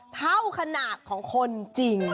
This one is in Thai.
เท่าขนาดของคนจริง